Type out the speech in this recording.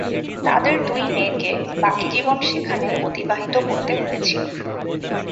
তাদের দুই মেয়েকে বাকি জীবন সেখানেই অতিবাহিত করতে হয়েছিল।